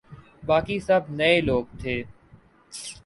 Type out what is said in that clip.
باقی سب نئے لوگ تھے۔